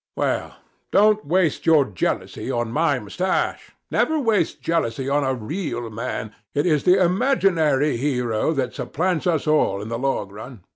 Well, don't waste your jealousy on my moustache. Never waste jealousy on a real man: it is the imaginary hero that supplants us all in the long run.